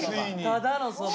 ただのそば。